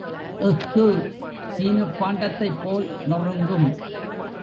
எஃகு, சீனப் பாண்டத்தைப்போல் நொறுங்கும்.